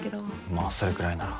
まあそれくらいなら。